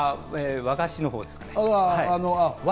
和菓子のほうです。